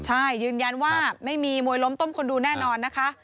ใช่ยืนยันว่าไม่มีมวยล้มต้มคนดูแน่นอนนะคะ